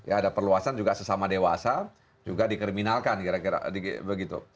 ada perluasan juga sesama dewasa juga dikriminalkan kira kira begitu